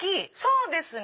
そうですね。